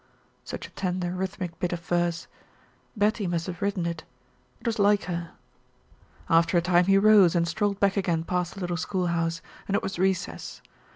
Such a tender, rhythmic bit of verse Betty must have written it. It was like her. After a time he rose and strolled back again past the little schoolhouse, and it was recess.